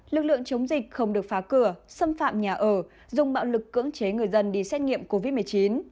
lực lượng chống dịch không được phá cửa xâm phạm nhà ở dùng bạo lực cưỡng chế người dân đi xét nghiệm covid một mươi chín